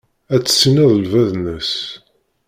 Ad tessineḍ lbaḍna-s.